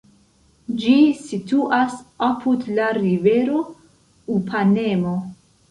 Ĝi situas apud la rivero Upanemo.